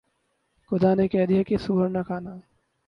خدا نے کہہ دیا کہ سؤر نہ کھانا